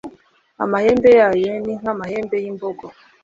amahembe yayo ni nk'amahembe y'imbogo